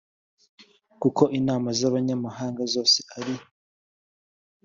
kuko imana z abanyamahanga zose ari